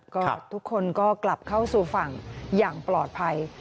ก็ทุกคนก็กลับเข้าสู่ฝั่งอย่างปลอดภัย